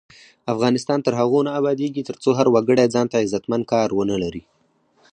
افغانستان تر هغو نه ابادیږي، ترڅو هر وګړی ځانته عزتمن کار ونه لري.